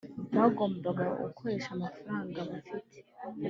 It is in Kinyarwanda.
bagombaga gukoresha amafaranga bafite